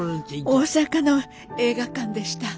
大阪の映画館でした。